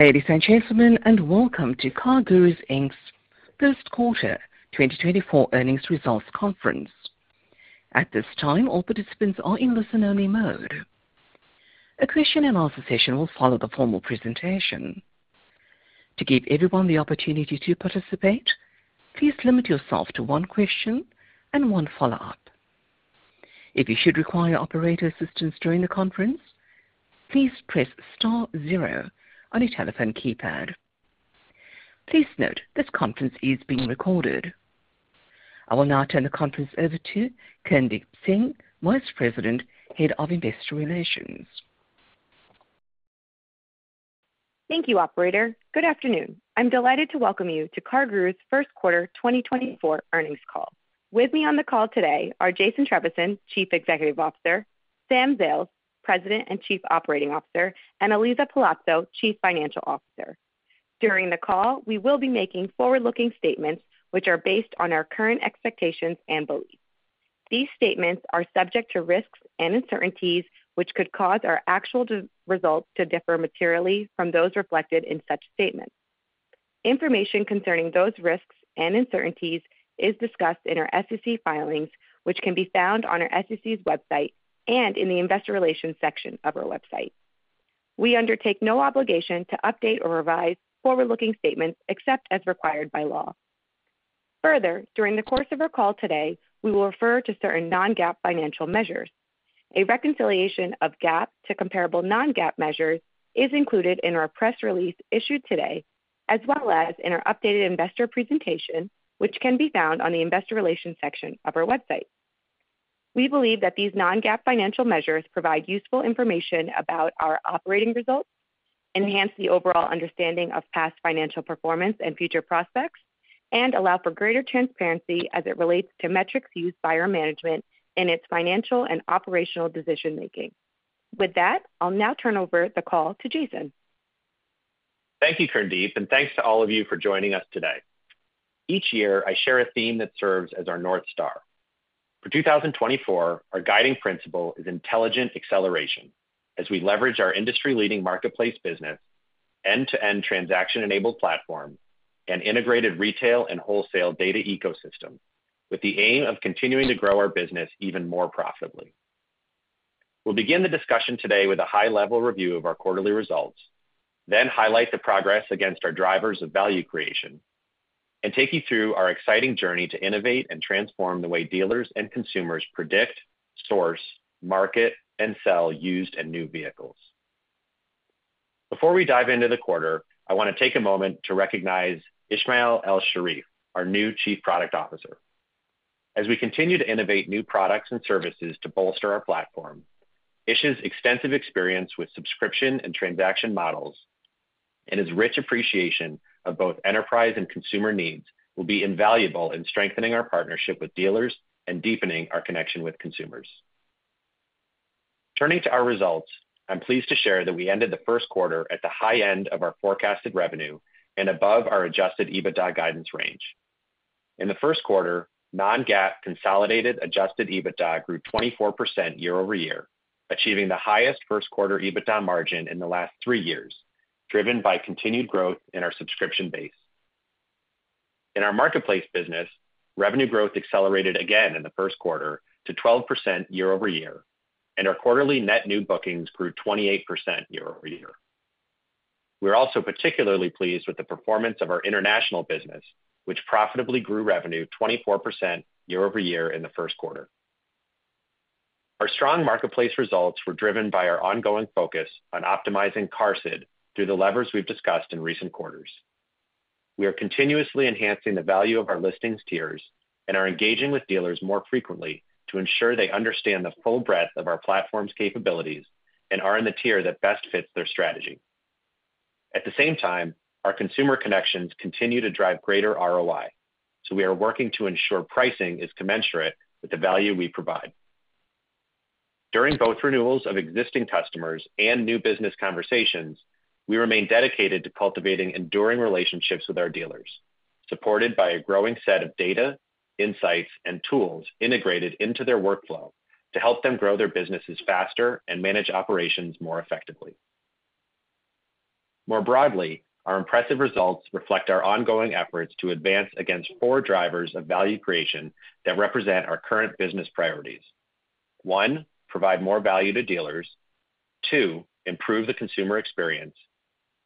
Ladies and gentlemen, and welcome to CarGurus, Inc.'s first quarter 2024 earnings results conference. At this time, all participants are in listen-only mode. A question and answer session will follow the formal presentation. To give everyone the opportunity to participate, please limit yourself to one question and one follow-up. If you should require operator assistance during the conference, please press star zero on your telephone keypad. Please note, this conference is being recorded. I will now turn the conference over to Kirndeep Singh, Vice President, Head of Investor Relations. Thank you, Operator. Good afternoon. I'm delighted to welcome you to CarGurus' first quarter 2024 earnings call. With me on the call today are Jason Trevisan, Chief Executive Officer, Sam Zales, President and Chief Operating Officer, and Elisa Palazzo, Chief Financial Officer. During the call, we will be making forward-looking statements which are based on our current expectations and beliefs. These statements are subject to risks and uncertainties, which could cause our actual results to differ materially from those reflected in such statements. Information concerning those risks and uncertainties is discussed in our SEC filings, which can be found on our SEC's website and in the investor relations section of our website. We undertake no obligation to update or revise forward-looking statements except as required by law. Further, during the course of our call today, we will refer to certain non-GAAP financial measures. A reconciliation of GAAP to comparable non-GAAP measures is included in our press release issued today, as well as in our updated investor presentation, which can be found on the investor relations section of our website. We believe that these non-GAAP financial measures provide useful information about our operating results, enhance the overall understanding of past financial performance and future prospects, and allow for greater transparency as it relates to metrics used by our management in its financial and operational decision making. With that, I'll now turn over the call to Jason. Thank you, Kirndeep, and thanks to all of you for joining us today. Each year, I share a theme that serves as our North Star. For 2024, our guiding principle is intelligent acceleration, as we leverage our industry-leading marketplace business, end-to-end transaction-enabled platform, and integrated retail and wholesale data ecosystem, with the aim of continuing to grow our business even more profitably. We'll begin the discussion today with a high-level review of our quarterly results, then highlight the progress against our drivers of value creation, and take you through our exciting journey to innovate and transform the way dealers and consumers predict, source, market, and sell used and new vehicles. Before we dive into the quarter, I wanna take a moment to recognize Ismail Elshareef, our new Chief Product Officer. As we continue to innovate new products and services to bolster our platform, Ish's extensive experience with subscription and transaction models, and his rich appreciation of both enterprise and consumer needs, will be invaluable in strengthening our partnership with dealers and deepening our connection with consumers. Turning to our results, I'm pleased to share that we ended the first quarter at the high end of our forecasted revenue and above our adjusted EBITDA guidance range. In the first quarter, non-GAAP consolidated adjusted EBITDA grew 24% year-over-year, achieving the highest first quarter EBITDA margin in the last three years, driven by continued growth in our subscription base. In our marketplace business, revenue growth accelerated again in the first quarter to 12% year-over-year, and our quarterly net new bookings grew 28% year-over-year. We're also particularly pleased with the performance of our international business, which profitably grew revenue 24% year-over-year in the first quarter. Our strong marketplace results were driven by our ongoing focus on optimizing CARSID through the levers we've discussed in recent quarters. We are continuously enhancing the value of our listings tiers, and are engaging with dealers more frequently to ensure they understand the full breadth of our platform's capabilities and are in the tier that best fits their strategy. At the same time, our consumer connections continue to drive greater ROI, so we are working to ensure pricing is commensurate with the value we provide. During both renewals of existing customers and new business conversations, we remain dedicated to cultivating enduring relationships with our dealers, supported by a growing set of data, insights, and tools integrated into their workflow to help them grow their businesses faster and manage operations more effectively. More broadly, our impressive results reflect our ongoing efforts to advance against four drivers of value creation that represent our current business priorities. One, provide more value to dealers. Two, improve the consumer experience.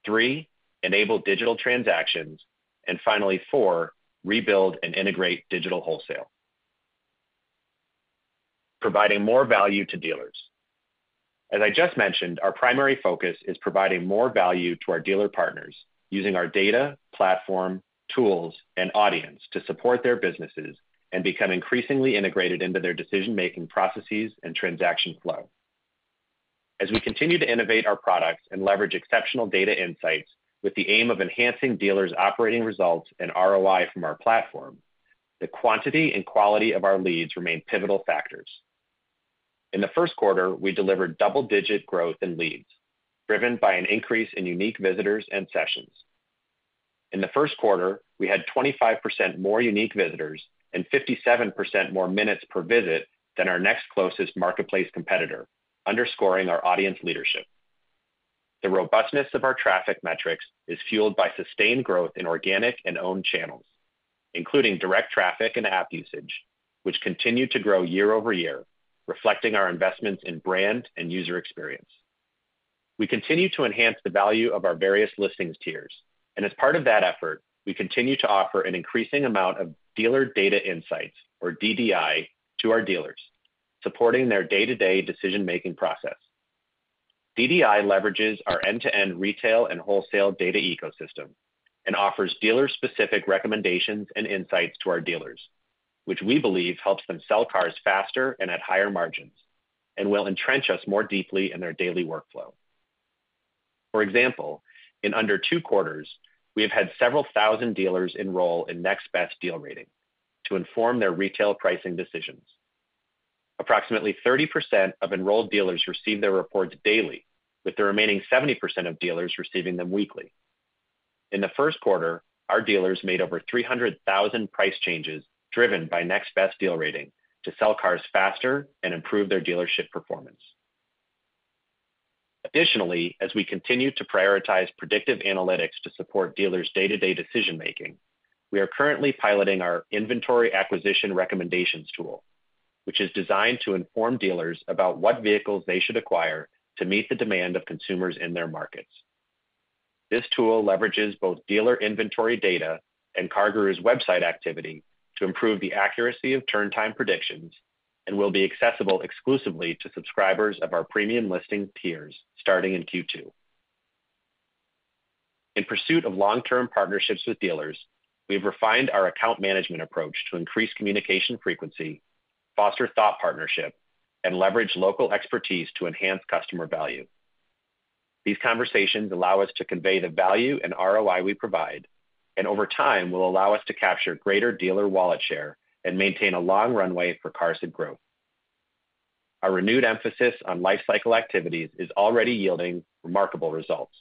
Three, enable digital transactions. And finally, four, rebuild and integrate digital wholesale. Providing more value to dealers. As I just mentioned, our primary focus is providing more value to our dealer partners, using our data, platform, tools, and audience to support their businesses and become increasingly integrated into their decision-making processes and transaction flow. As we continue to innovate our products and leverage exceptional data insights with the aim of enhancing dealers' operating results and ROI from our platform, the quantity and quality of our leads remain pivotal factors. In the first quarter, we delivered double-digit growth in leads, driven by an increase in unique visitors and sessions. In the first quarter, we had 25% more unique visitors and 57% more minutes per visit than our next closest marketplace competitor, underscoring our audience leadership. The robustness of our traffic metrics is fueled by sustained growth in organic and owned channels, including direct traffic and app usage, which continued to grow year-over-year, reflecting our investments in brand and user experience. We continue to enhance the value of our various listings tiers, and as part of that effort, we continue to offer an increasing amount of dealer data insights, or DDI, to our dealers, supporting their day-to-day decision-making process. DDI leverages our end-to-end retail and wholesale data ecosystem and offers dealer-specific recommendations and insights to our dealers, which we believe helps them sell cars faster and at higher margins and will entrench us more deeply in their daily workflow. For example, in under two quarters, we have had several thousand dealers enroll in Next Best Deal Rating to inform their retail pricing decisions. Approximately 30% of enrolled dealers receive their reports daily, with the remaining 70% of dealers receiving them weekly. In the first quarter, our dealers made over 300,000 price changes, driven by Next Best Deal Rating, to sell cars faster and improve their dealership performance. Additionally, as we continue to prioritize predictive analytics to support dealers' day-to-day decision-making, we are currently piloting our Inventory Acquisition Recommendations tool, which is designed to inform dealers about what vehicles they should acquire to meet the demand of consumers in their markets. This tool leverages both dealer inventory data and CarGurus website activity to improve the accuracy of turn time predictions and will be accessible exclusively to subscribers of our premium listing tiers starting in Q2. In pursuit of long-term partnerships with dealers, we've refined our account management approach to increase communication frequency, foster thought partnership, and leverage local expertise to enhance customer value. These conversations allow us to convey the value and ROI we provide, and over time, will allow us to capture greater dealer wallet share and maintain a long runway for cars and growth. Our renewed emphasis on life cycle activities is already yielding remarkable results.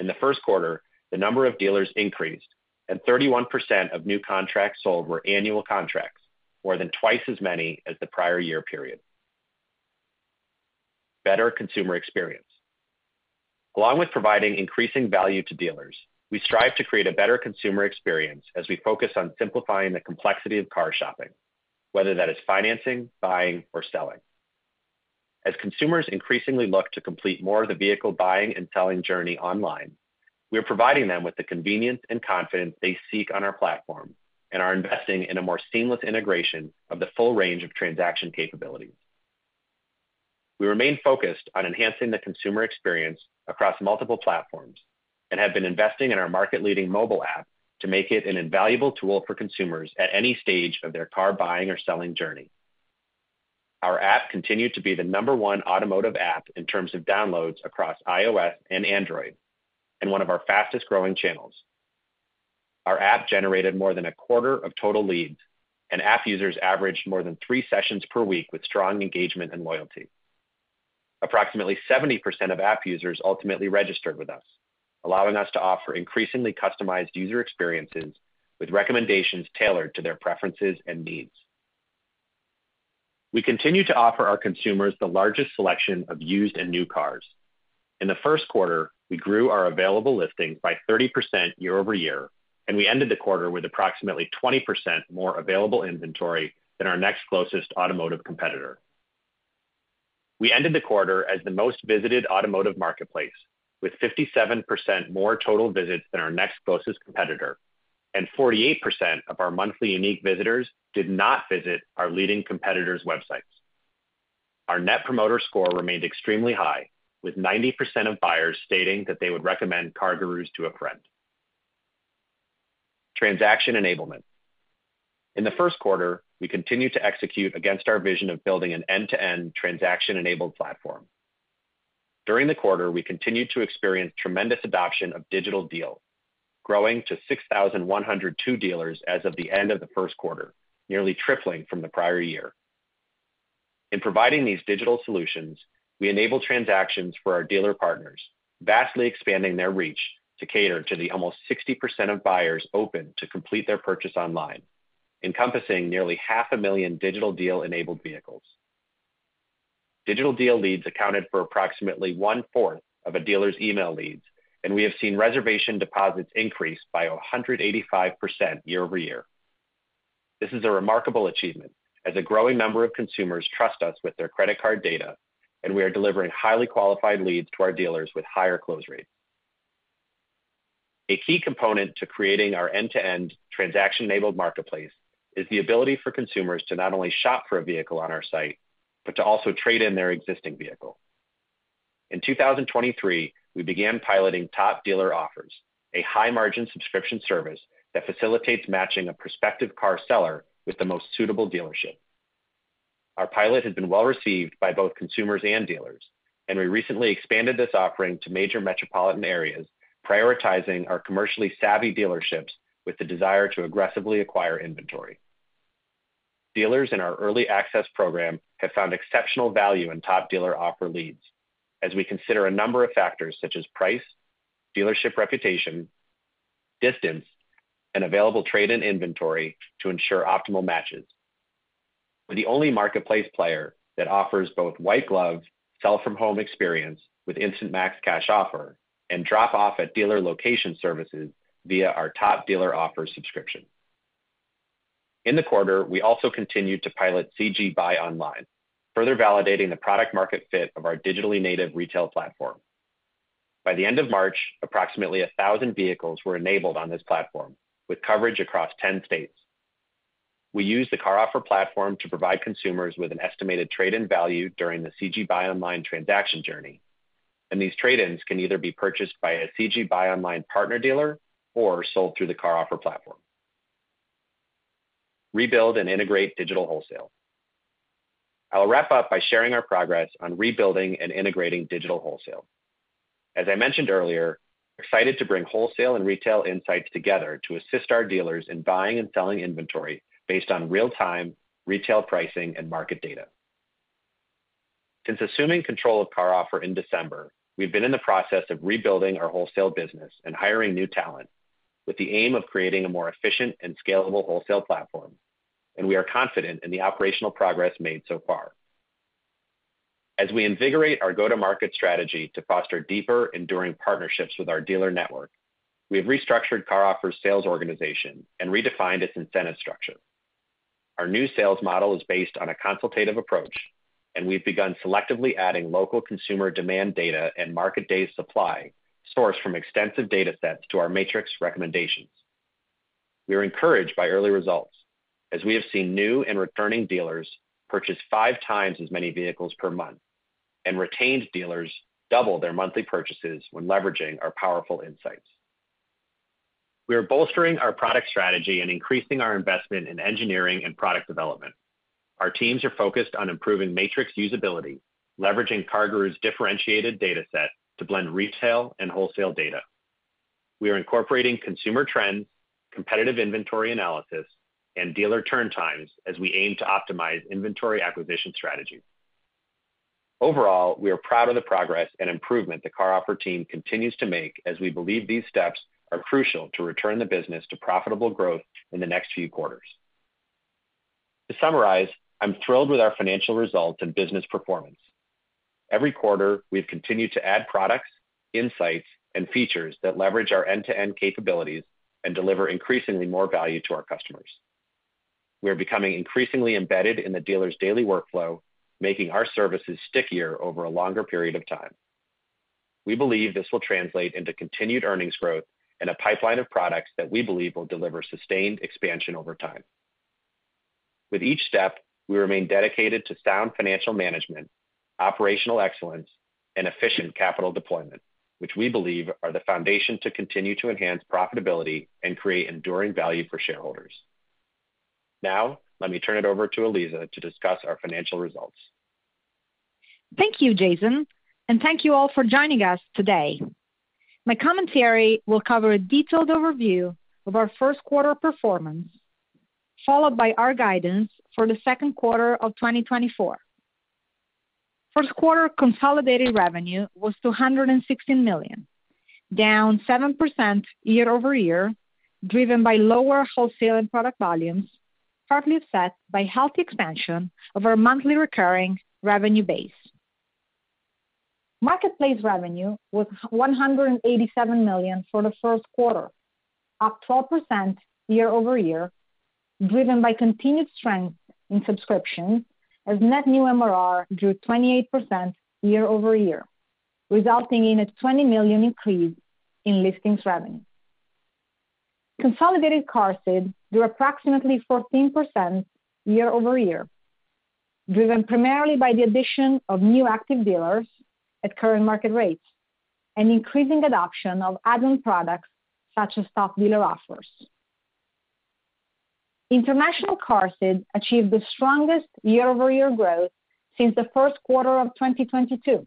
In the first quarter, the number of dealers increased, and 31% of new contracts sold were annual contracts, more than twice as many as the prior year period. Better consumer experience. Along with providing increasing value to dealers, we strive to create a better consumer experience as we focus on simplifying the complexity of car shopping, whether that is financing, buying, or selling. As consumers increasingly look to complete more of the vehicle buying and selling journey online, we are providing them with the convenience and confidence they seek on our platform and are investing in a more seamless integration of the full range of transaction capabilities. We remain focused on enhancing the consumer experience across multiple platforms and have been investing in our market-leading mobile app to make it an invaluable tool for consumers at any stage of their car buying or selling journey. Our app continued to be the number one automotive app in terms of downloads across iOS and Android and one of our fastest-growing channels. Our app generated more than a quarter of total leads, and app users averaged more than 3 sessions per week with strong engagement and loyalty. Approximately 70% of app users ultimately registered with us, allowing us to offer increasingly customized user experiences with recommendations tailored to their preferences and needs. We continue to offer our consumers the largest selection of used and new cars. In the first quarter, we grew our available listings by 30% year over year, and we ended the quarter with approximately 20% more available inventory than our next closest automotive competitor. We ended the quarter as the most visited automotive marketplace, with 57% more total visits than our next closest competitor, and 48% of our monthly unique visitors did not visit our leading competitors' websites. Our Net Promoter Score remained extremely high, with 90% of buyers stating that they would recommend CarGurus to a friend. Transaction enablement. In the first quarter, we continued to execute against our vision of building an end-to-end transaction-enabled platform. During the quarter, we continued to experience tremendous adoption of Digital Deal, growing to 6,102 dealers as of the end of the first quarter, nearly tripling from the prior year. In providing these digital solutions, we enable transactions for our dealer partners, vastly expanding their reach to cater to the almost 60% of buyers open to complete their purchase online, encompassing nearly 500,000 Digital Deal-enabled vehicles. Digital Deal leads accounted for approximately 1/4 of a dealer's email leads, and we have seen reservation deposits increase by 185% year-over-year. This is a remarkable achievement, as a growing number of consumers trust us with their credit card data, and we are delivering highly qualified leads to our dealers with higher close rates. A key component to creating our end-to-end transaction-enabled marketplace is the ability for consumers to not only shop for a vehicle on our site, but to also trade in their existing vehicle. In 2023, we began piloting Top Dealer Offers, a high-margin subscription service that facilitates matching a prospective car seller with the most suitable dealership. Our pilot has been well-received by both consumers and dealers, and we recently expanded this offering to major metropolitan areas, prioritizing our commercially savvy dealerships with the desire to aggressively acquire inventory.... Dealers in our early access program have found exceptional value in Top Dealer Offers leads, as we consider a number of factors such as price, dealership reputation, distance, and available trade-in inventory to ensure optimal matches. We're the only marketplace player that offers both white-glove, sell-from-home experience with Instant Max Cash Offer, and drop-off at dealer location services via our Top Dealer Offers subscription. In the quarter, we also continued to pilot CG Buy Online, further validating the product market fit of our digitally native retail platform. By the end of March, approximately 1,000 vehicles were enabled on this platform, with coverage across 10 states. We use the CarOffer platform to provide consumers with an estimated trade-in value during the CG Buy Online transaction journey, and these trade-ins can either be purchased by a CG Buy Online partner dealer or sold through the CarOffer platform. Rebuild and integrate digital wholesale. I'll wrap up by sharing our progress on rebuilding and integrating digital wholesale. As I mentioned earlier, excited to bring wholesale and retail insights together to assist our dealers in buying and selling inventory based on real-time, retail pricing, and market data. Since assuming control of CarOffer in December, we've been in the process of rebuilding our wholesale business and hiring new talent, with the aim of creating a more efficient and scalable wholesale platform, and we are confident in the operational progress made so far. As we invigorate our go-to-market strategy to foster deeper, enduring partnerships with our dealer network, we have restructured CarOffer's sales organization and redefined its incentive structure. Our new sales model is based on a consultative approach, and we've begun selectively adding local consumer demand data and market day supply sourced from extensive datasets to our Matrix recommendations. We are encouraged by early results, as we have seen new and returning dealers purchase 5 times as many vehicles per month, and retained dealers double their monthly purchases when leveraging our powerful insights. We are bolstering our product strategy and increasing our investment in engineering and product development. Our teams are focused on improving Matrix usability, leveraging CarGurus' differentiated dataset to blend retail and wholesale data. We are incorporating consumer trends, competitive inventory analysis, and dealer turn times as we aim to optimize inventory acquisition strategy. Overall, we are proud of the progress and improvement the CarOffer team continues to make, as we believe these steps are crucial to return the business to profitable growth in the next few quarters. To summarize, I'm thrilled with our financial results and business performance. Every quarter, we've continued to add products, insights, and features that leverage our end-to-end capabilities and deliver increasingly more value to our customers. We are becoming increasingly embedded in the dealer's daily workflow, making our services stickier over a longer period of time. We believe this will translate into continued earnings growth and a pipeline of products that we believe will deliver sustained expansion over time. With each step, we remain dedicated to sound financial management, operational excellence, and efficient capital deployment, which we believe are the foundation to continue to enhance profitability and create enduring value for shareholders. Now, let me turn it over to Elisa to discuss our financial results. Thank you, Jason, and thank you all for joining us today. My commentary will cover a detailed overview of our first quarter performance, followed by our guidance for the second quarter of 2024. First quarter consolidated revenue was $216 million, down 7% year-over-year, driven by lower wholesale and product volumes, partly offset by healthy expansion of our monthly recurring revenue base. Marketplace revenue was $187 million for the first quarter, up 12% year-over-year, driven by continued strength in subscription, as net new MRR grew 28% year-over-year, resulting in a $20 million increase in listings revenue. Consolidated CARSID grew approximately 14% year-over-year, driven primarily by the addition of new active dealers at current market rates and increasing adoption of add-on products, such as Top Dealer Offers. International CARSID achieved the strongest year-over-year growth since the first quarter of 2022,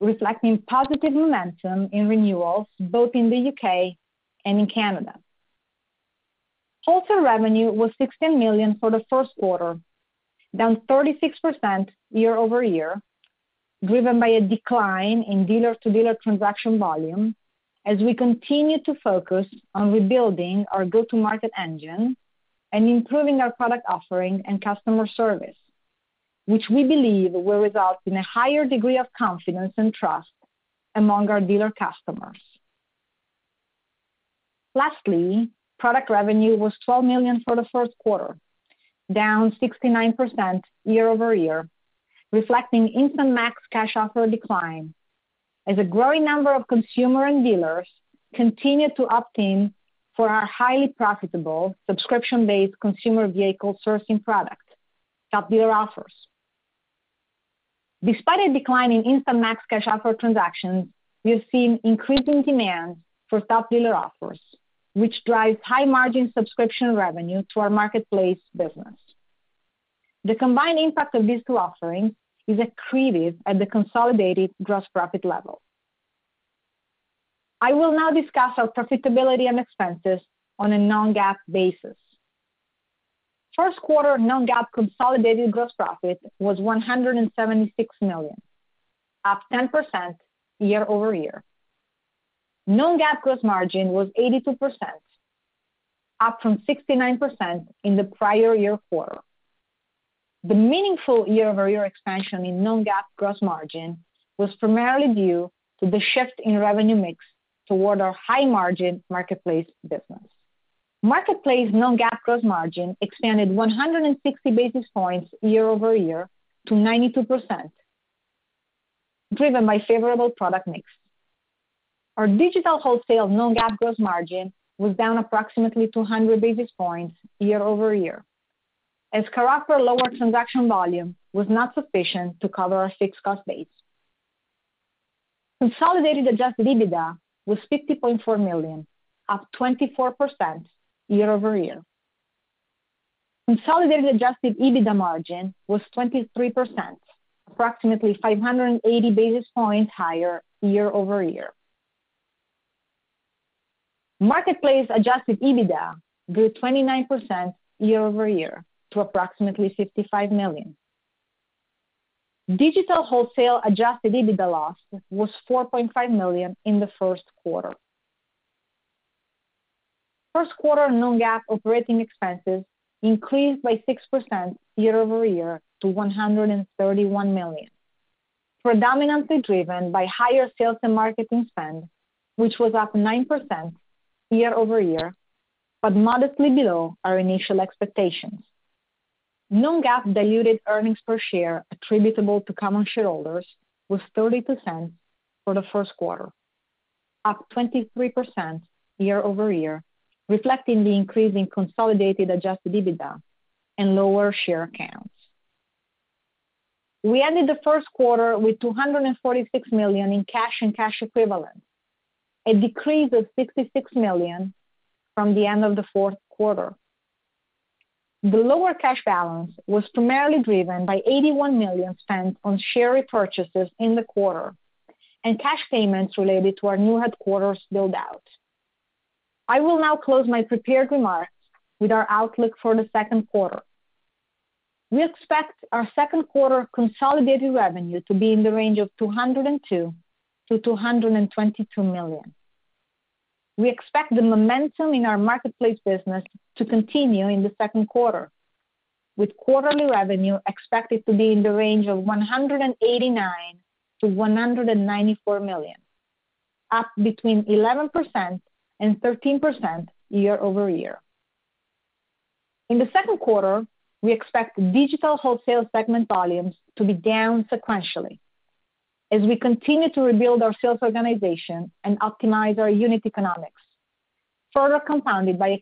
reflecting positive momentum in renewals, both in the U.K. and in Canada. Wholesale revenue was $16 million for the first quarter, down 36% year-over-year, driven by a decline in dealer-to-dealer transaction volume as we continue to focus on rebuilding our go-to-market engine and improving our product offering and customer service, which we believe will result in a higher degree of confidence and trust among our dealer customers. Lastly, product revenue was $12 million for the first quarter, down 69% year-over-year, reflecting Instant Max Cash Offer decline, as a growing number of consumer and dealers continue to opt in for our highly profitable subscription-based consumer vehicle sourcing product, Top Dealer Offers. Despite a decline in Instant Max Cash Offer transactions, we've seen increasing demand for Top Dealer Offers, which drives high-margin subscription revenue to our marketplace business. The combined impact of these two offerings is accretive at the consolidated gross profit level. I will now discuss our profitability and expenses on a non-GAAP basis. First quarter non-GAAP consolidated gross profit was $176 million, up 10% year-over-year. Non-GAAP gross margin was 82%, up from 69% in the prior year quarter. The meaningful year-over-year expansion in non-GAAP gross margin was primarily due to the shift in revenue mix toward our high margin marketplace business. Marketplace non-GAAP gross margin expanded 160 basis points year-over-year to 92%, driven by favorable product mix. Our digital wholesale non-GAAP gross margin was down approximately 200 basis points year-over-year, as CarOffer lower transaction volume was not sufficient to cover our fixed cost base. Consolidated adjusted EBITDA was $50.4 million, up 24% year-over-year. Consolidated adjusted EBITDA margin was 23%, approximately 580 basis points higher year-over-year. Marketplace adjusted EBITDA grew 29% year-over-year to approximately $55 million. Digital wholesale adjusted EBITDA loss was $4.5 million in the first quarter. First quarter non-GAAP operating expenses increased by 6% year-over-year to $131 million, predominantly driven by higher sales and marketing spend, which was up 9% year-over-year, but modestly below our initial expectations. Non-GAAP diluted earnings per share attributable to common shareholders was 30% for the first quarter, up 23% year-over-year, reflecting the increase in consolidated adjusted EBITDA and lower share counts. We ended the first quarter with $246 million in cash and cash equivalents, a decrease of $66 million from the end of the fourth quarter. The lower cash balance was primarily driven by $81 million spent on share repurchases in the quarter and cash payments related to our new headquarters build out. I will now close my prepared remarks with our outlook for the second quarter. We expect our second quarter consolidated revenue to be in the range of $202 million-$222 million. We expect the momentum in our marketplace business to continue in the second quarter, with quarterly revenue expected to be in the range of $189 million-$194 million, up 11%-13% year-over-year. In the second quarter, we expect digital wholesale segment volumes to be down sequentially as we continue to rebuild our sales organization and optimize our unit economics, further compounded by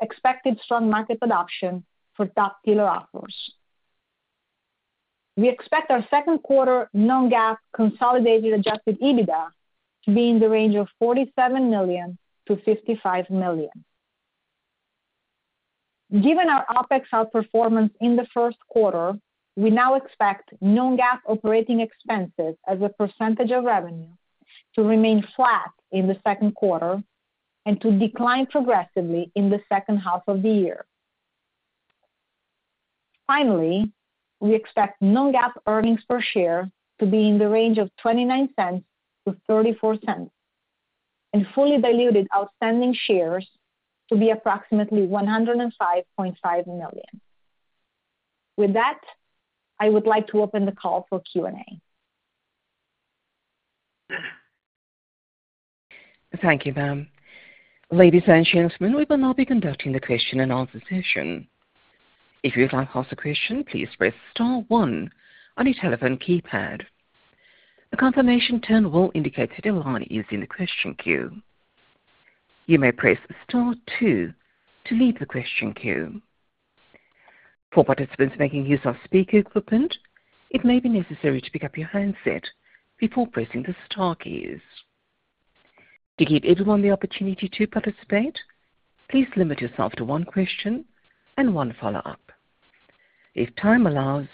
expected strong market adoption for Top Dealer Offers. We expect our second quarter non-GAAP consolidated adjusted EBITDA to be in the range of $47 million-$55 million. Given our OpEx outperformance in the first quarter, we now expect non-GAAP operating expenses as a percentage of revenue to remain flat in the second quarter and to decline progressively in the second half of the year. Finally, we expect non-GAAP earnings per share to be in the range of $0.29-$0.34, and fully diluted outstanding shares to be approximately 105.5 million. With that, I would like to open the call for Q&A. Thank you, Pam. Ladies and gentlemen, we will now be conducting the question and answer session. If you would like to ask a question, please press star one on your telephone keypad. A confirmation tone will indicate that your line is in the question queue. You may press star two to leave the question queue. For participants making use of speaker equipment, it may be necessary to pick up your handset before pressing the star keys. To give everyone the opportunity to participate, please limit yourself to one question and one follow-up. If time allows,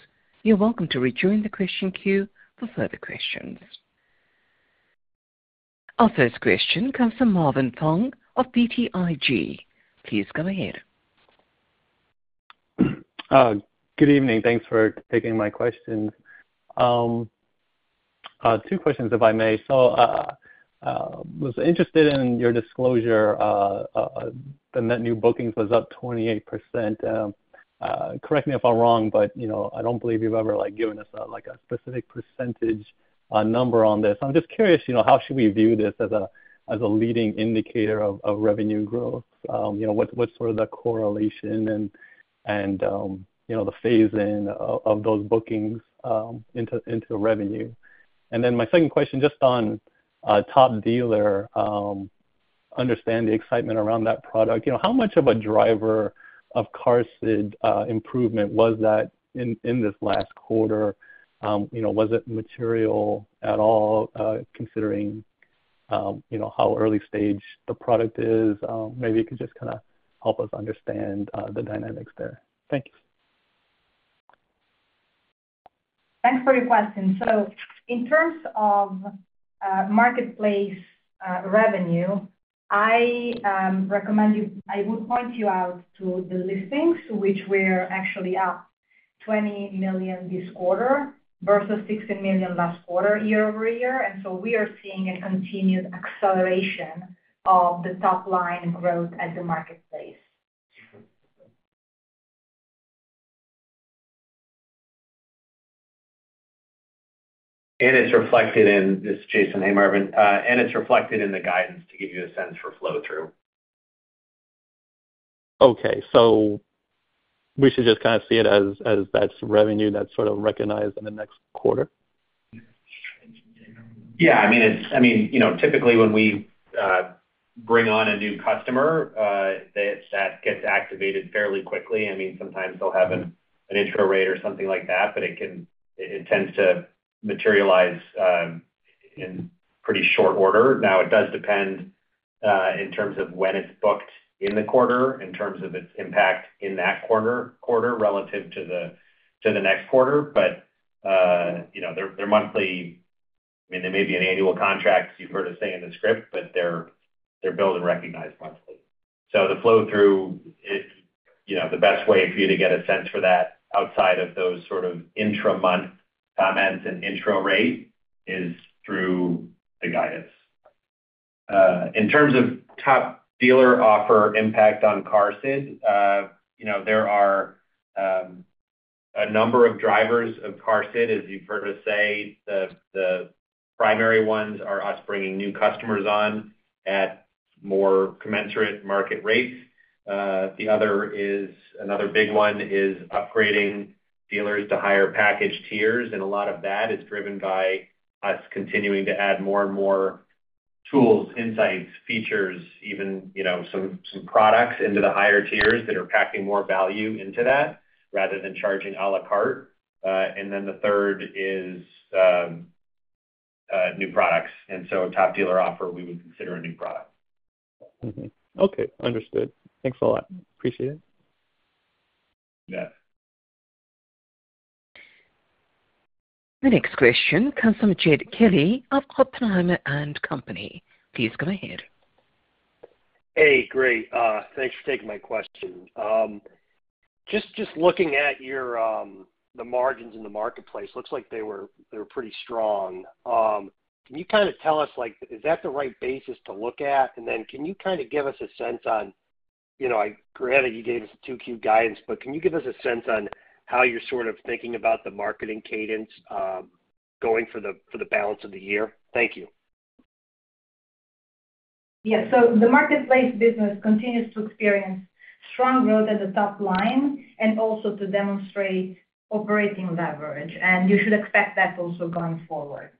you're welcome to rejoin the question queue for further questions. Our first question comes from Marvin Fong of BTIG. Please go ahead. Good evening. Thanks for taking my questions. Two questions, if I may. So, was interested in your disclosure, the net new bookings was up 28%. Correct me if I'm wrong, but, you know, I don't believe you've ever, like, given us, like, a specific percentage, number on this. I'm just curious, you know, how should we view this as a leading indicator of revenue growth? You know, what's sort of the correlation and, you know, the phase in of those bookings, into revenue? And then my second question, just on top dealer, understand the excitement around that product. You know, how much of a driver of CARSID improvement was that in this last quarter? You know, was it material at all, considering, you know, how early stage the product is? Maybe you could just kinda help us understand the dynamics there. Thank you. Thanks for your question. So in terms of marketplace revenue, I would point you out to the listings, which were actually up $20 million this quarter versus $16 million last quarter, year-over-year. And so we are seeing a continued acceleration of the top line growth at the marketplace. And it's reflected in, This is Jason. Hey, Marvin. And it's reflected in the guidance to give you a sense for flow-through. Okay, so we should just kind of see it as, as that's revenue that's sort of recognized in the next quarter? Yeah, I mean, I mean, you know, typically, when we bring on a new customer, that gets activated fairly quickly. I mean, sometimes they'll have an intro rate or something like that, but it can, it tends to materialize in pretty short order. Now, it does depend in terms of when it's booked in the quarter, in terms of its impact in that quarter relative to the next quarter. But you know, their monthly, I mean, they may be an annual contract. You've heard us say in the script, but they're billed and recognized monthly. So the flow-through, you know, the best way for you to get a sense for that outside of those sort of intra-month comments and intro rate is through the guidance. In terms of Top Dealer Offer impact on CARSID, you know, there are a number of drivers of CARSID, as you've heard us say. The primary ones are us bringing new customers on at more commensurate market rates. The other is another big one is upgrading dealers to higher package tiers, and a lot of that is driven by us continuing to add more and more tools, insights, features, even, you know, some products into the higher tiers that are packing more value into that, rather than charging à la carte. And then the third is new products, and so Top Dealer Offer, we would consider a new product. Mm-hmm. Okay, understood. Thanks a lot. Appreciate it. Yeah. The next question comes from Jed Kelly of Oppenheimer and Company. Please go ahead. Hey, great. Thanks for taking my question. Just looking at your the margins in the marketplace, looks like they were pretty strong. Can you kind of tell us, like, is that the right basis to look at? And then can you kind of give us a sense on, you know, I granted you gave us a 2Q guidance, but can you give us a sense on how you're sort of thinking about the marketing cadence going for the balance of the year? Thank you. Yeah. So the marketplace business continues to experience strong growth at the top line and also to demonstrate operating leverage, and you should expect that also going forward.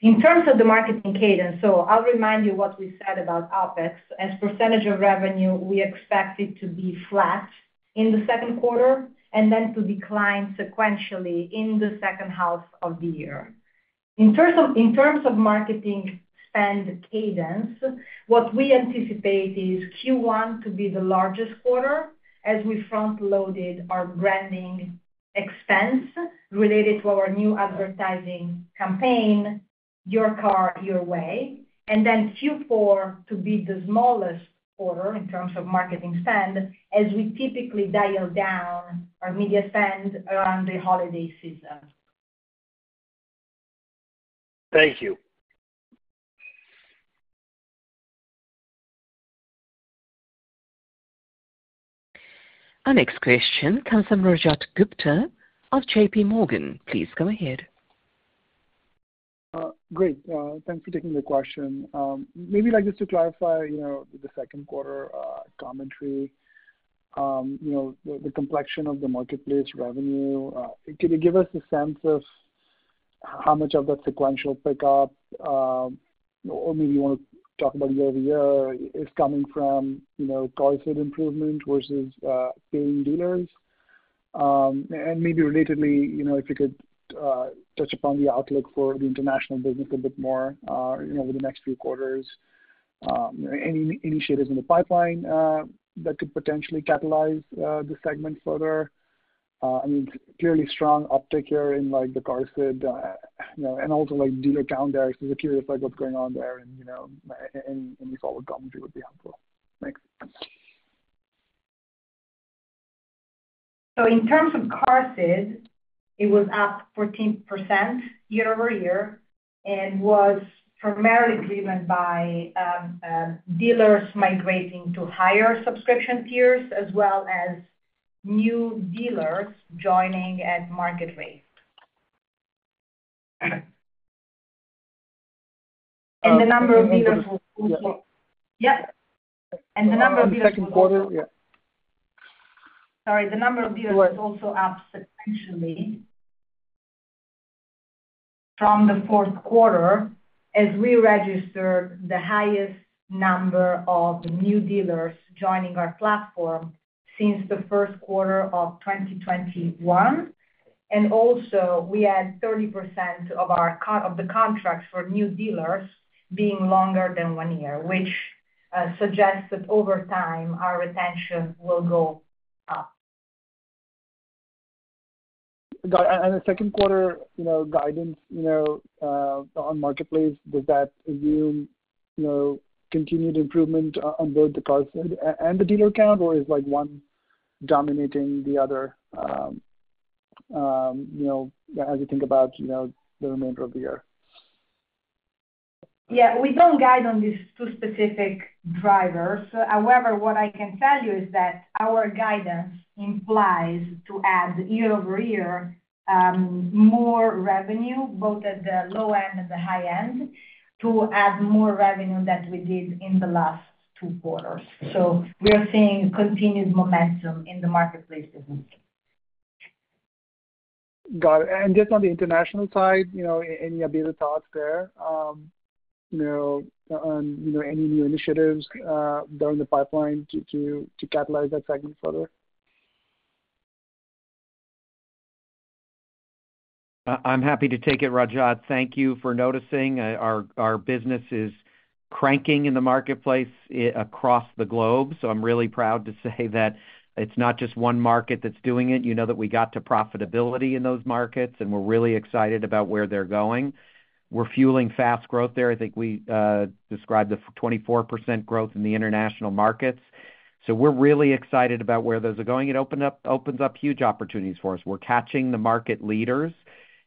In terms of the marketing cadence, so I'll remind you what we said about OpEx. As percentage of revenue, we expect it to be flat in the second quarter, and then to decline sequentially in the second half of the year. In terms of marketing spend cadence, what we anticipate is Q1 to be the largest quarter as we front-loaded our branding expense related to our new advertising campaign, Your Car, Your Way, and then Q4 to be the smallest quarter in terms of marketing spend, as we typically dial down our media spend around the holiday season. Thank you. Our next question comes from Rajat Gupta of JP Morgan. Please go ahead. Great. Thanks for taking the question. Maybe like just to clarify, you know, the second quarter commentary, you know, the complexion of the marketplace revenue. Can you give us a sense of how much of that sequential pickup, or maybe you want to talk about year-over-year, is coming from, you know, CARSID improvement versus paying dealers? And maybe relatedly, you know, if you could touch upon the outlook for the international business a bit more, you know, over the next few quarters. Any initiatives in the pipeline that could potentially catalyze the segment further? I mean, clearly strong uptick here in, like, the CARSID, you know, and also, like, dealer count there. So we're curious, like, what's going on there and, you know, any forward commentary would be helpful. Thanks. So in terms of CARSID, it was up 14% year-over-year and was primarily driven by, dealers migrating to higher subscription tiers, as well as new dealers joining at market rate. And the number of dealers- Yeah. Yes. And the number of dealers- In the second quarter, yeah. Sorry. The number of dealers was also up sequentially from the fourth quarter, as we registered the highest number of new dealers joining our platform since the first quarter of 2021. We had 30% of our contracts for new dealers being longer than one year, which suggests that over time, our retention will go up. Got it. The second quarter, you know, guidance, you know, on marketplace, does that assume, you know, continued improvement on both the cars and, and the dealer count? Or is, like, one dominating the other, you know, as you think about, you know, the remainder of the year? Yeah, we don't guide on these two specific drivers. However, what I can tell you is that our guidance implies to add year-over-year more revenue, both at the low end and the high end, to add more revenue than we did in the last two quarters. So we are seeing continued momentum in the marketplace business. Got it. And just on the international side, you know, any updated thoughts there, you know, on, you know, any new initiatives during the pipeline to catalyze that segment further? I'm happy to take it, Rajat. Thank you for noticing, our business is cranking in the marketplace across the globe. So I'm really proud to say that it's not just one market that's doing it. You know that we got to profitability in those markets, and we're really excited about where they're going. We're fueling fast growth there. I think we described the 24% growth in the international markets. So we're really excited about where those are going. It opens up huge opportunities for us. We're catching the market leaders.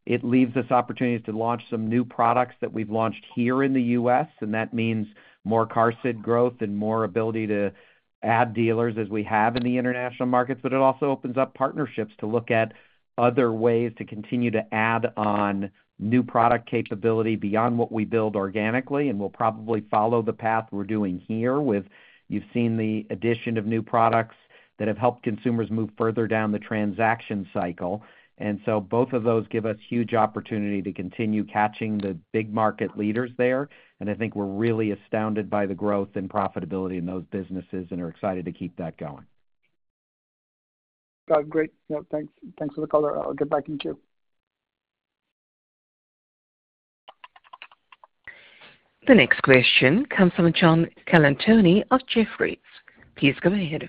It leaves us opportunities to launch some new products that we've launched here in the US, and that means more CARSID growth and more ability to add dealers as we have in the international markets. But it also opens up partnerships to look at other ways to continue to add on new product capability beyond what we build organically, and we'll probably follow the path we're doing here with... You've seen the addition of new products that have helped consumers move further down the transaction cycle. And so both of those give us huge opportunity to continue catching the big market leaders there. And I think we're really astounded by the growth and profitability in those businesses and are excited to keep that going. Great. Yeah, thanks. Thanks for the call. I'll get back in queue. The next question comes from John Colantuoni of Jefferies. Please go ahead.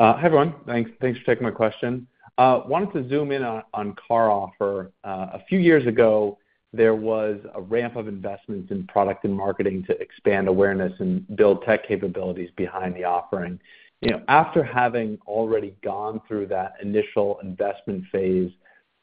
Hi, everyone. Thanks, thanks for taking my question. Wanted to zoom in on, on CarOffer. A few years ago, there was a ramp of investments in product and marketing to expand awareness and build tech capabilities behind the offering. You know, after having already gone through that initial investment phase,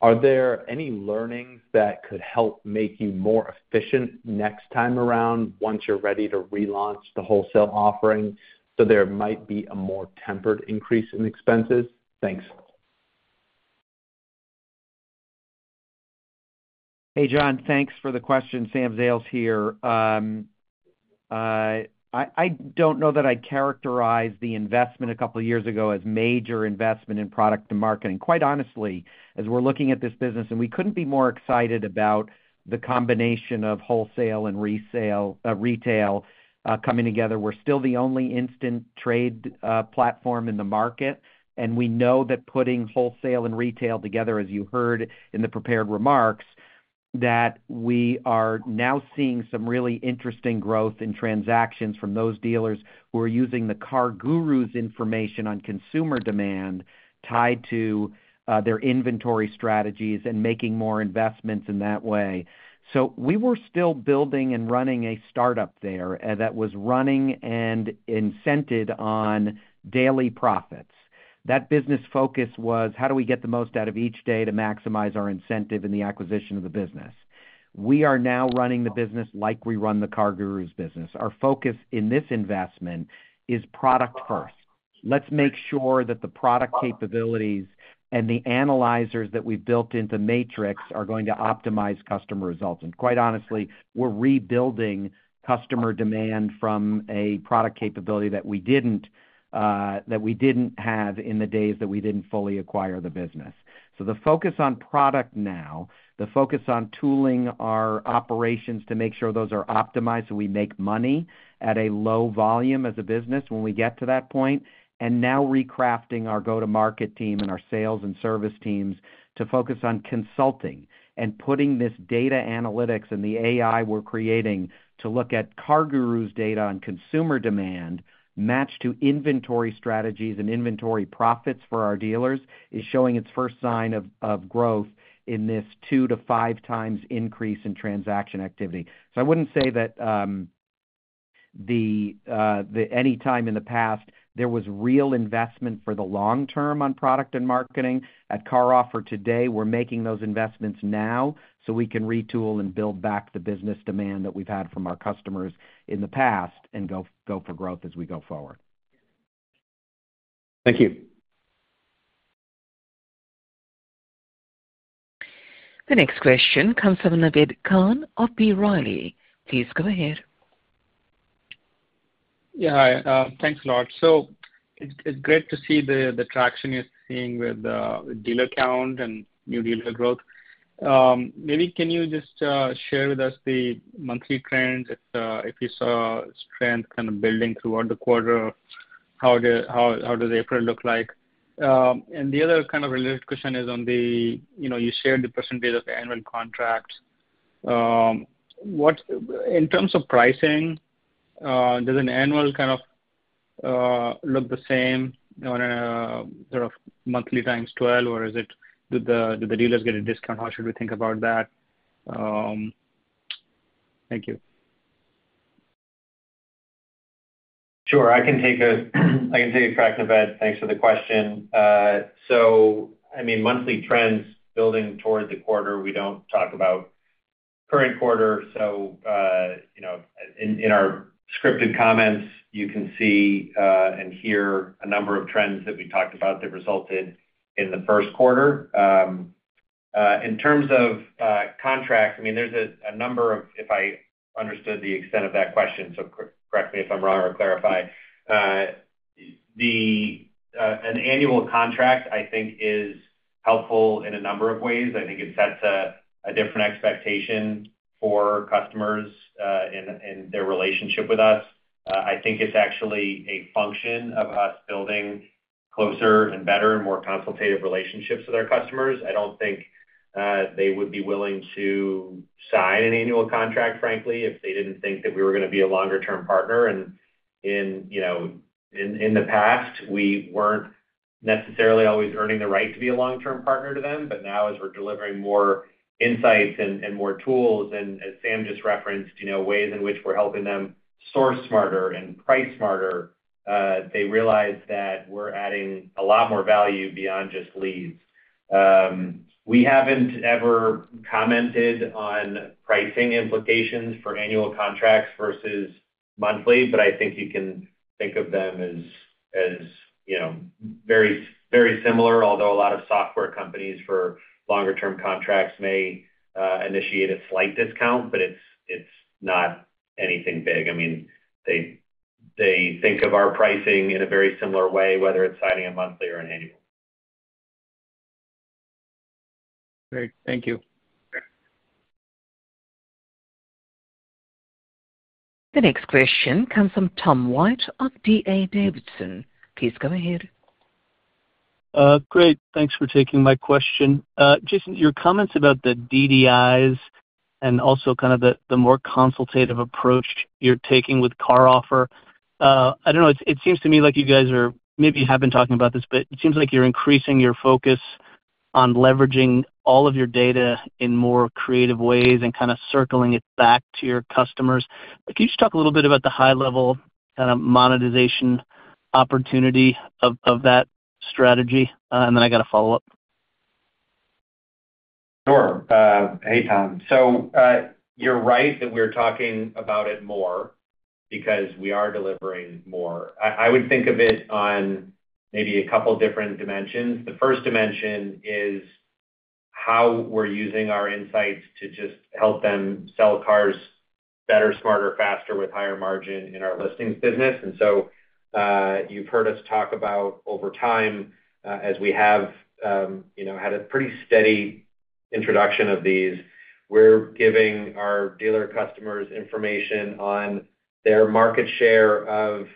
are there any learnings that could help make you more efficient next time around, once you're ready to relaunch the wholesale offering, so there might be a more tempered increase in expenses? Thanks. Hey, John. Thanks for the question. Sam Zales here. I don't know that I'd characterize the investment a couple of years ago as major investment in product to market. And quite honestly, as we're looking at this business, and we couldn't be more excited about the combination of wholesale and resale, retail, coming together. We're still the only instant trade platform in the market, and we know that putting wholesale and retail together, as you heard in the prepared remarks, that we are now seeing some really interesting growth in transactions from those dealers who are using the CarGurus information on consumer demand tied to their inventory strategies and making more investments in that way. So we were still building and running a startup there that was running and incented on daily profits. That business focus was: How do we get the most out of each day to maximize our incentive in the acquisition of the business? We are now running the business like we run the CarGurus business. Our focus in this investment is product first. Let's make sure that the product capabilities and the analyzers that we've built into Matrix are going to optimize customer results. Quite honestly, we're rebuilding customer demand from a product capability that we didn't, that we didn't have in the days that we didn't fully acquire the business. The focus on product now, the focus on tooling our operations to make sure those are optimized, so we make money at a low volume as a business when we get to that point, and now recrafting our go-to-market team and our sales and service teams to focus on consulting. Putting this data analytics and the AI we're creating to look at CarGurus data on consumer demand, matched to inventory strategies and inventory profits for our dealers, is showing its first sign of growth in this 2-5 times increase in transaction activity. So I wouldn't say that any time in the past, there was real investment for the long term on product and marketing. At CarOffer today, we're making those investments now, so we can retool and build back the business demand that we've had from our customers in the past and go for growth as we go forward. Thank you. The next question comes from Naved Khan of B. Riley. Please go ahead. Yeah. Hi, thanks a lot. So it's great to see the traction you're seeing with the dealer count and new dealer growth. Maybe can you just share with us the monthly trends, if you saw strength kind of building throughout the quarter?... How does April look like? And the other kind of related question is on the, you know, you shared the percentage of annual contracts. What, in terms of pricing, does an annual kind of look the same on a sort of monthly times 12, or is it, do the dealers get a discount? How should we think about that? Thank you. Sure. I can take a crack, Naved. Thanks for the question. So I mean, monthly trends building towards the quarter, we don't talk about current quarter. So, you know, in our scripted comments, you can see and hear a number of trends that we talked about that resulted in the first quarter. In terms of contracts, I mean, there's a number of... If I understood the extent of that question, so correct me if I'm wrong or clarify. An annual contract, I think is helpful in a number of ways. I think it sets a different expectation for customers, in their relationship with us. I think it's actually a function of us building closer and better and more consultative relationships with our customers. I don't think they would be willing to sign an annual contract, frankly, if they didn't think that we were going to be a longer-term partner. And in, you know, in, in the past, we weren't necessarily always earning the right to be a long-term partner to them. But now, as we're delivering more insights and, and more tools, and as Sam just referenced, you know, ways in which we're helping them source smarter and price smarter, they realize that we're adding a lot more value beyond just leads. We haven't ever commented on pricing implications for annual contracts versus monthly, but I think you can think of them as, as, you know, very, very similar, although a lot of software companies for longer term contracts may initiate a slight discount, but it's, it's not anything big. I mean, they, they think of our pricing in a very similar way, whether it's signing a monthly or an annual. Great. Thank you. The next question comes from Tom White of D.A. Davidson. Please go ahead. Great. Thanks for taking my question. Jason, your comments about the DDIs and also kind of the, the more consultative approach you're taking with CarOffer. I don't know, it, it seems to me like you guys are maybe have been talking about this, but it seems like you're increasing your focus on leveraging all of your data in more creative ways and kind of circling it back to your customers. But can you just talk a little bit about the high level kind of monetization opportunity of, of that strategy? And then I got a follow-up. Sure. Hey, Tom. So, you're right that we're talking about it more because we are delivering more. I would think of it on maybe a couple different dimensions. The first dimension is how we're using our insights to just help them sell cars better, smarter, faster, with higher margin in our listings business. And so, you've heard us talk about over time, as we have, you know, had a pretty steady introduction of these. We're giving our dealer customers information on their market share of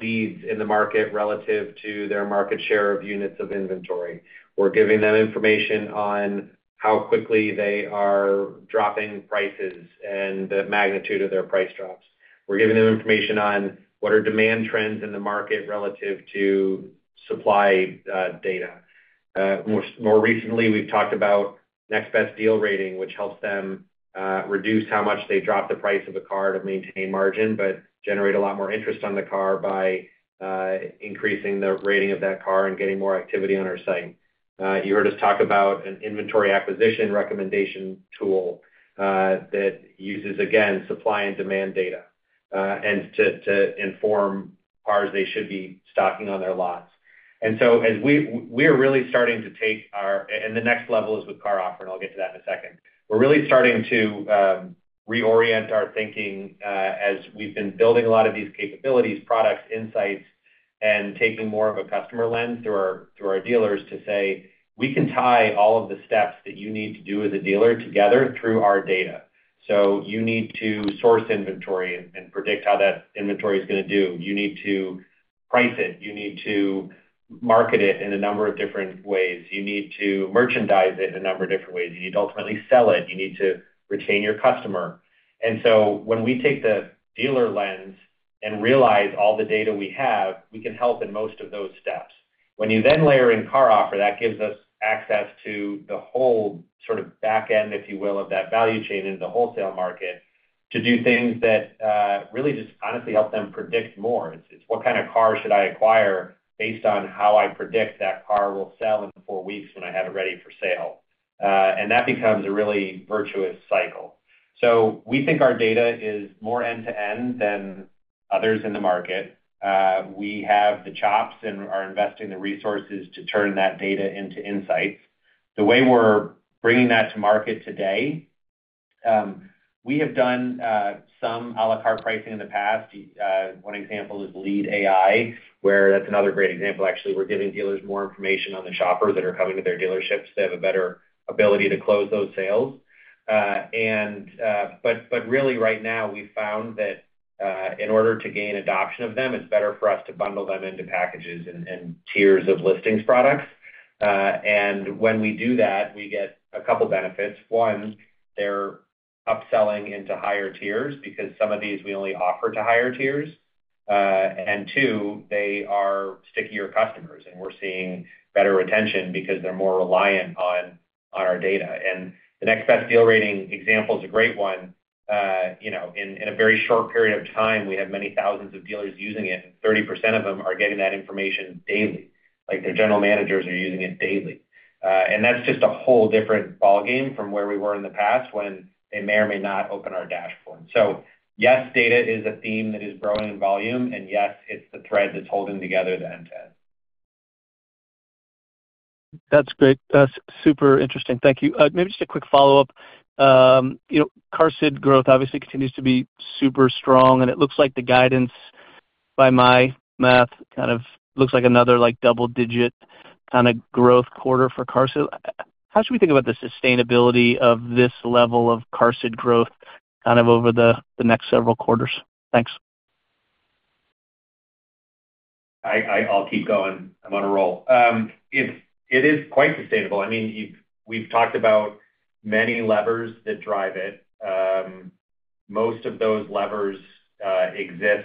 leads in the market relative to their market share of units of inventory. We're giving them information on how quickly they are dropping prices and the magnitude of their price drops. We're giving them information on what are demand trends in the market relative to supply data. More recently, we've talked about Next Best Deal Rating, which helps them reduce how much they drop the price of a car to maintain margin, but generate a lot more interest on the car by increasing the rating of that car and getting more activity on our site. You heard us talk about an inventory acquisition recommendation tool that uses, again, supply and demand data and to inform cars they should be stocking on their lots. And so as we are really starting to take our... And the next level is with CarOffer, and I'll get to that in a second. We're really starting to reorient our thinking, as we've been building a lot of these capabilities, products, insights, and taking more of a customer lens through our dealers to say: We can tie all of the steps that you need to do as a dealer together through our data. So you need to source inventory and predict how that inventory is going to do. You need to price it. You need to market it in a number of different ways. You need to merchandise it in a number of different ways. You need to ultimately sell it. You need to retain your customer. And so when we take the dealer lens and realize all the data we have, we can help in most of those steps. When you then layer in CarOffer, that gives us access to the whole sort of back end, if you will, of that value chain in the wholesale market, to do things that really just honestly help them predict more. It's what kind of car should I acquire based on how I predict that car will sell in four weeks when I have it ready for sale? And that becomes a really virtuous cycle. So we think our data is more end-to-end than others in the market. We have the chops and are investing the resources to turn that data into insights. The way we're bringing that to market today, we have done some à la carte pricing in the past. One example is Lead AI, where that's another great example, actually. We're giving dealers more information on the shoppers that are coming to their dealerships. They have a better ability to close those sales. Really right now, we've found that in order to gain adoption of them, it's better for us to bundle them into packages and tiers of listings products. When we do that, we get a couple benefits. One, they're upselling into higher tiers because some of these we only offer to higher tiers. Two, they are stickier customers, and we're seeing better retention because they're more reliant on our data. And the Next Best Deal Rating example is a great one. You know, in a very short period of time, we have many thousands of dealers using it, and 30% of them are getting that information daily. Like, their general managers are using it daily. And that's just a whole different ballgame from where we were in the past, when they may or may not open our dashboard. So yes, data is a theme that is growing in volume, and yes, it's the thread that's holding together the end-to-end. That's great. That's super interesting. Thank you. Maybe just a quick follow-up. You know, CARSID growth obviously continues to be super strong, and it looks like the guidance, by my math, kind of looks like another, like, double digit kind of growth quarter for CARSID. How should we think about the sustainability of this level of CARSID growth kind of over the next several quarters? Thanks. I'll keep going. I'm on a roll. It is quite sustainable. I mean, we've talked about many levers that drive it. Most of those levers exist,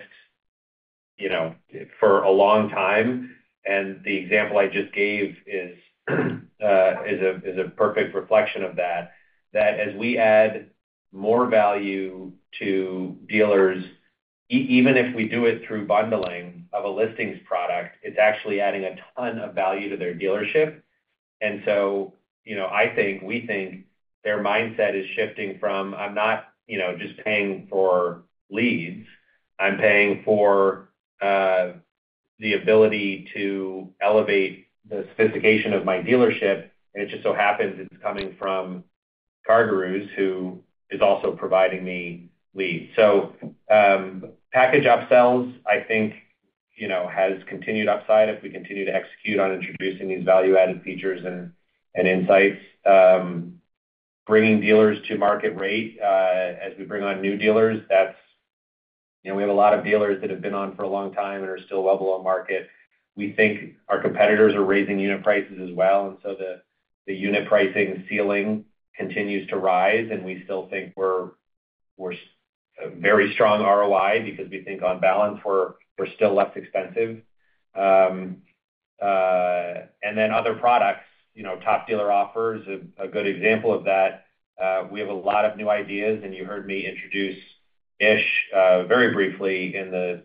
you know, for a long time, and the example I just gave is a perfect reflection of that, that as we add more value to dealers, even if we do it through bundling of a listings product, it's actually adding a ton of value to their dealership. And so, you know, I think we think their mindset is shifting from, I'm not, you know, just paying for leads; I'm paying for the ability to elevate the sophistication of my dealership, and it just so happens it's coming from CarGurus, who is also providing me leads. Package upsells, I think, you know, has continued upside as we continue to execute on introducing these value-added features and insights. Bringing dealers to market rate, as we bring on new dealers, that's... You know, we have a lot of dealers that have been on for a long time and are still well below market. We think our competitors are raising unit prices as well, and so the unit pricing ceiling continues to rise, and we still think we're a very strong ROI because we think, on balance, we're still less expensive. And then other products, you know, top dealer offer is a good example of that. We have a lot of new ideas, and you heard me introduce Ish very briefly in the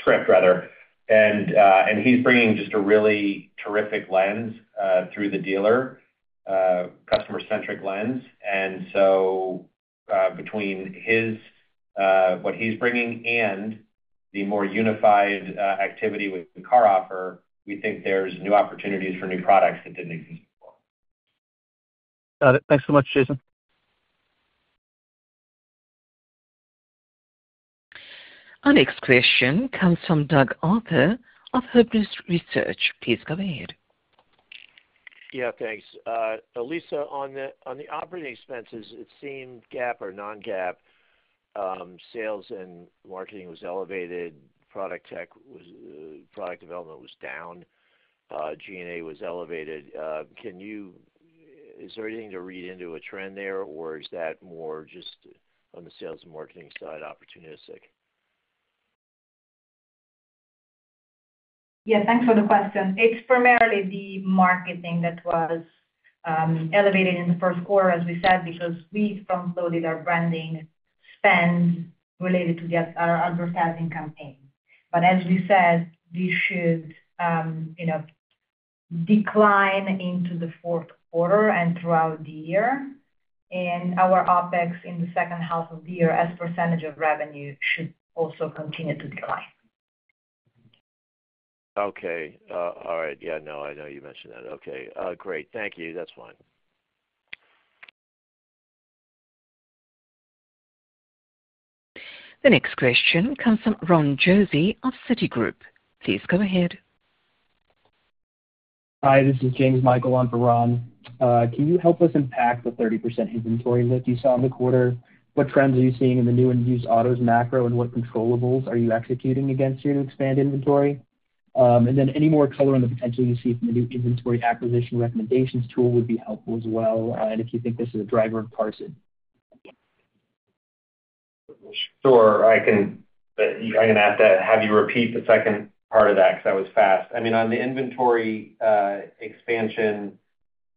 script, rather. And he's bringing just a really terrific lens through the dealer customer-centric lens. And so, between his... what he's bringing and the more unified activity with the CarOffer, we think there's new opportunities for new products that didn't exist before. Got it. Thanks so much, Jason. Our next question comes from Doug Arthur of Huber Research. Please go ahead. Yeah, thanks. Elisa, on the operating expenses, it seemed GAAP or non-GAAP, sales and marketing was elevated, product tech was, product development was down, G&A was elevated. Can you—is there anything to read into a trend there, or is that more just on the sales and marketing side, opportunistic? Yeah, thanks for the question. It's primarily the marketing that was elevated in the first quarter, as we said, because we front-loaded our branding spend related to our advertising campaign. But as we said, this should, you know, decline into the fourth quarter and throughout the year. And our OpEx in the second half of the year, as a percentage of revenue, should also continue to decline. Okay, all right. Yeah, no, I know you mentioned that. Okay, great. Thank you. That's fine. The next question comes from Ron Josey of Citigroup. Please go ahead. Hi, this is James Michael on for Ron. Can you help us unpack the 30% inventory lift you saw in the quarter? What trends are you seeing in the new and used autos macro, and what controllables are you executing against here to expand inventory? And then any more color on the potential you see from the new Inventory Acquisition Recommendations tool would be helpful as well, and if you think this is a driver of CARSID. Sure, I can, But I'm gonna have to have you repeat the second part of that, because that was fast. I mean, on the inventory expansion,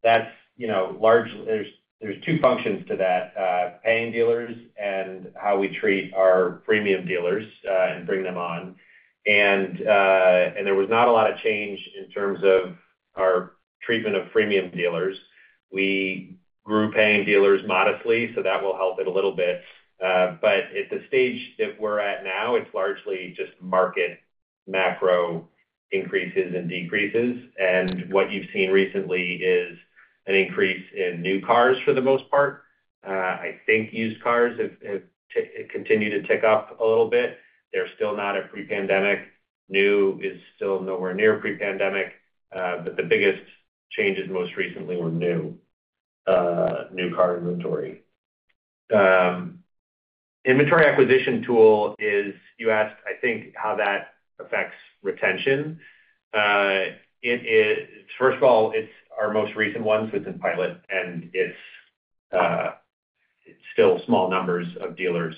that's, you know, there are two functions to that: paying dealers and how we treat our premium dealers, and bring them on. And there was not a lot of change in terms of our treatment of premium dealers. We grew paying dealers modestly, so that will help it a little bit. But at the stage that we're at now, it's largely just market macro increases and decreases. And what you've seen recently is an increase in new cars for the most part. I think used cars have continued to tick up a little bit. They're still not at pre-pandemic. New is still nowhere near pre-pandemic, but the biggest changes most recently were new car inventory. Inventory acquisition tool is, you asked, I think, how that affects retention. It is first of all, it's our most recent one, so it's in pilot, and it's still small numbers of dealers.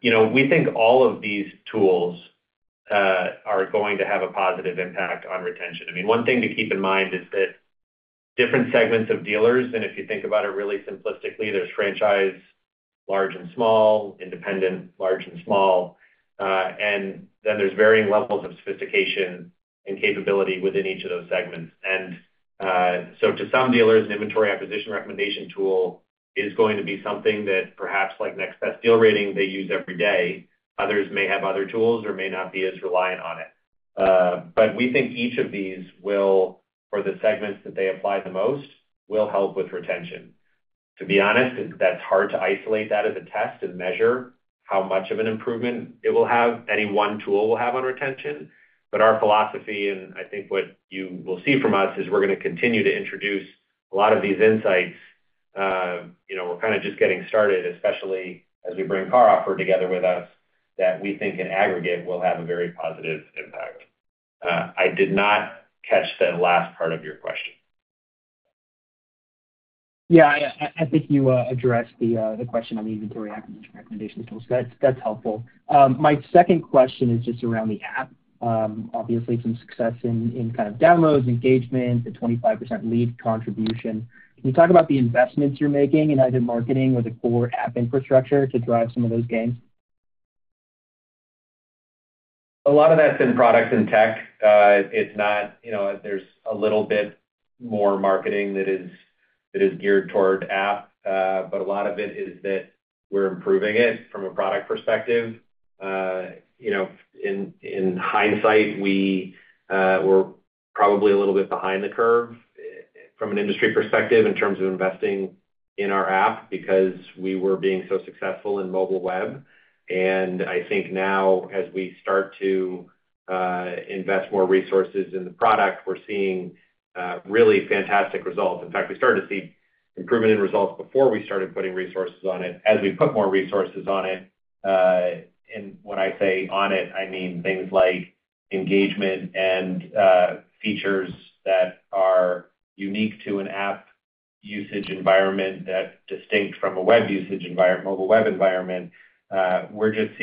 You know, we think all of these tools are going to have a positive impact on retention. I mean, one thing to keep in mind is that different segments of dealers, and if you think about it really simplistically, there's franchise, large and small, independent, large and small, and then there's varying levels of sophistication and capability within each of those segments. So to some dealers, an inventory acquisition recommendation tool is going to be something that perhaps like Next Best Deal Rating they use every day. Others may have other tools or may not be as reliant on it. But we think each of these will, for the segments that they apply the most, will help with retention. To be honest, that's hard to isolate that as a test and measure how much of an improvement it will have, any one tool will have on retention. But our philosophy, and I think what you will see from us, is we're going to continue to introduce a lot of these insights. You know, we're kind of just getting started, especially as we bring CarOffer together with us, that we think in aggregate, will have a very positive impact. I did not catch the last part of your question. Yeah, I think you addressed the question on the inventory acquisition recommendation tools. That's helpful. My second question is just around the app. Obviously, some success in kind of downloads, engagement, the 25% lead contribution. Can you talk about the investments you're making in either marketing or the core app infrastructure to drive some of those gains? A lot of that's in products and tech. It's not, you know, there's a little bit more marketing that is, that is geared toward app, but a lot of it is that we're improving it from a product perspective. You know, in hindsight, we, we're probably a little bit behind the curve from an industry perspective in terms of investing in our app, because we were being so successful in mobile web. And I think now, as we start to invest more resources in the product, we're seeing really fantastic results. In fact, we started to see improvement in results before we started putting resources on it, as we put more resources on it. And when I say on it, I mean things like engagement and, features that are unique to an app usage environment that's distinct from a web usage environment, mobile web environment. We're just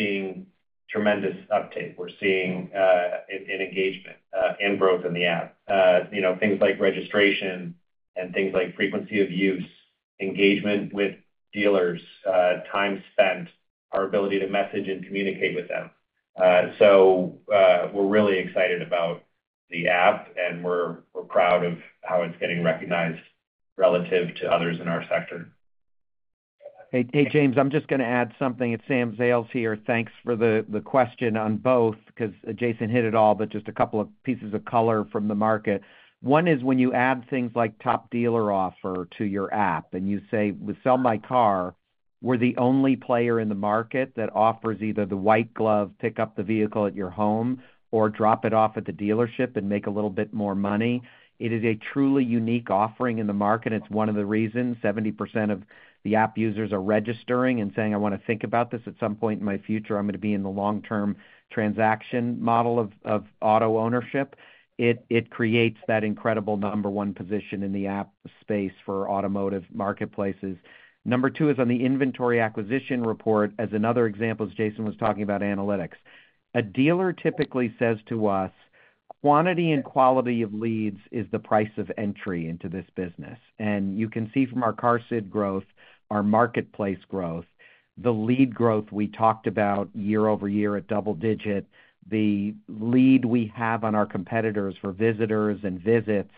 seeing tremendous uptake. We're seeing, an engagement, and growth in the app. You know, things like registration and things like frequency of use, engagement with dealers, time spent, our ability to message and communicate with them. So, we're really excited about the app, and we're, we're proud of how it's getting recognized relative to others in our sector. Hey, hey, James, I'm just going to add something. It's Sam Zales here. Thanks for the question on both, because Jason hit it all, but just a couple of pieces of color from the market. One is when you add things like top dealer offer to your app, and you say, with Sell My Car, we're the only player in the market that offers either the white glove, pick up the vehicle at your home, or drop it off at the dealership and make a little bit more money. It is a truly unique offering in the market. It's one of the reasons 70% of the app users are registering and saying, "I want to think about this. At some point in my future, I'm going to be in the long-term transaction model of auto ownership." It creates that incredible number one position in the app space for automotive marketplaces. Number two is on the inventory acquisition report, as another example, as Jason was talking about analytics. A dealer typically says to us, quantity and quality of leads is the price of entry into this business. And you can see from our CARSID growth, our marketplace growth, the lead growth we talked about year-over-year at double-digit, the lead we have on our competitors for visitors and visits,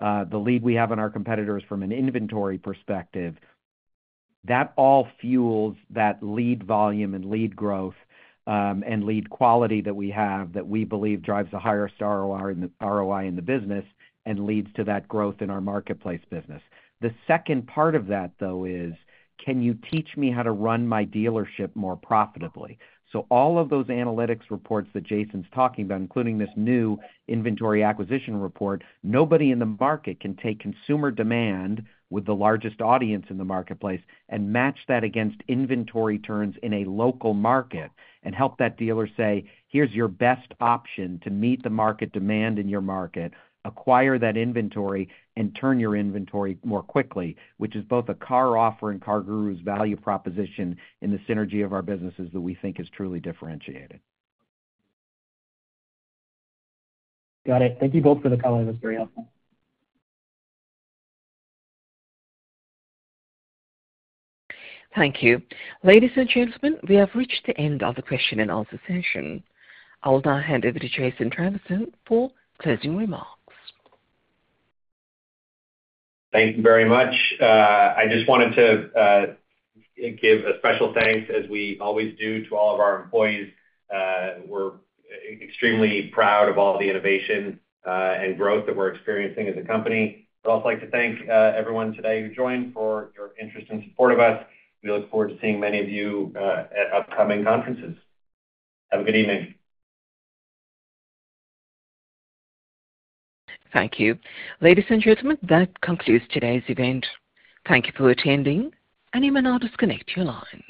the lead we have on our competitors from an inventory perspective, that all fuels that lead volume and lead growth, and lead quality that we have that we believe drives the highest ROI in the, ROI in the business and leads to that growth in our marketplace business. The second part of that, though, is: Can you teach me how to run my dealership more profitably? So all of those analytics reports that Jason's talking about, including this new inventory acquisition report, nobody in the market can take consumer demand with the largest audience in the marketplace and match that against inventory turns in a local market and help that dealer say, "Here's your best option to meet the market demand in your market, acquire that inventory and turn your inventory more quickly," which is both a CarOffer and CarGurus' value proposition in the synergy of our businesses that we think is truly differentiated. Got it. Thank you both for the call. That's very helpful. Thank you. Ladies and gentlemen, we have reached the end of the question and answer session. I will now hand over to Jason Trevisan for closing remarks. Thank you very much. I just wanted to give a special thanks, as we always do, to all of our employees. We're extremely proud of all the innovation and growth that we're experiencing as a company. I'd also like to thank everyone today who joined for your interest and support of us. We look forward to seeing many of you at upcoming conferences. Have a good evening. Thank you. Ladies and gentlemen, that concludes today's event. Thank you for attending, and you may now disconnect your line.